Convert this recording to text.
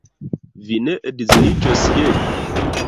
Vi ne edziniĝos je li?